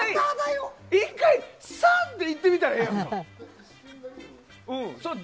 １回サーっといってみたらええやん。